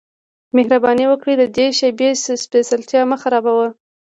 مهرباني وکړه د دې شیبې سپیڅلتیا مه خرابوه